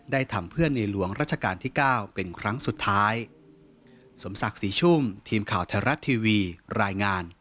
ทำเพื่อในหลวงราชการที่๙เป็นครั้งสุดท้าย